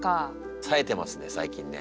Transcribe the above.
さえてますね最近ね。